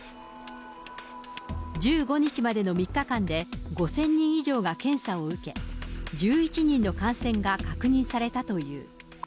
１５日までの３日間で、５０００人以上が検査を受け、１１人の感染が確認されたという。